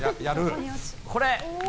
これ。